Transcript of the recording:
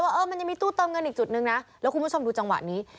เออมันยังมีตู้เติมเงินอีกจุดนึงนะแล้วคุณผู้ชมดูจังหวะนี้